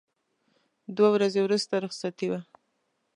دوه ورځې وروسته رخصتي وه.